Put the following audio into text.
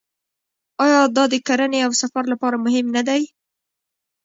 آیا دا د کرنې او سفر لپاره مهم نه دی؟